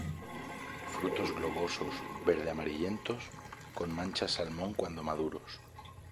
Frutos globosos, verde amarillentos, con manchas salmón cuando maduros.